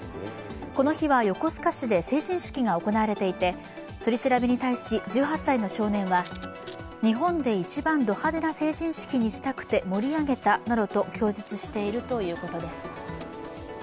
この日は横須賀市で成人式が行われていて取り調べに対し１８歳の少年は日本で一番ド派手な成人式にしたくて盛り上げたなどと供述しているということです。